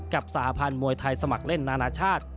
สหพันธ์มวยไทยสมัครเล่นนานาชาติ